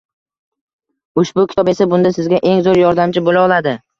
Ushbu kitob esa bunda sizga eng zoʻr yordamchi boʻla oladi.